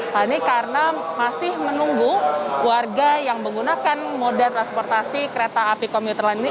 hal ini karena masih menunggu warga yang menggunakan moda transportasi kereta api komuter lain ini